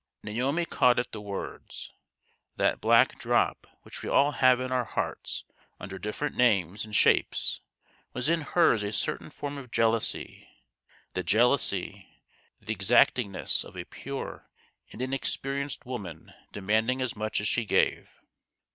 Naomi caught at the words. That black drop which we all have in our hearts under different names and shapes was in hers a 158 THE GHOST OF THE PAST. certain form of jealousy, the jealousy, the exactingness, of a pure and inexperienced woman demanding as much as she gave.